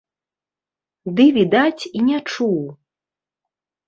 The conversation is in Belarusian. Ды, відаць, і не чуў.